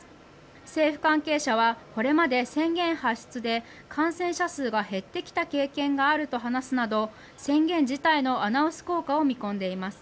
政府関係者はこれまで宣言発出で感染者数が減ってきた経験があると話すなど宣言自体のアナウンス効果を見込んでいます。